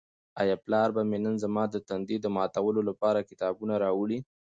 آیا پلار به مې نن زما د تندې د ماتولو لپاره کتابونه راوړي؟